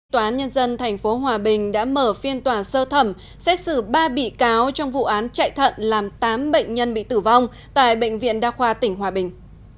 tòa án nhân dân tp hòa bình đã mở phiên tòa sơ thẩm xét xử ba bị cáo trong vụ án chạy thận làm tám bệnh nhân bị tử vong tại bệnh viện đa khoa tỉnh hòa bình